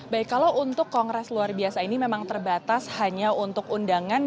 baik kalau untuk kongres luar biasa ini memang terbatas hanya untuk undangan